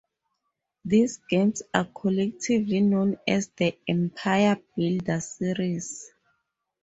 These games are collectively known as "the "Empire Builder" series".